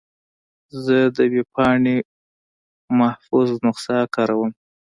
زه د ویب پاڼې محفوظ نسخه کاروم.